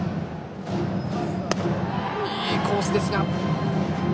いいコースですが。